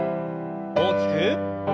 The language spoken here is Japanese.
大きく。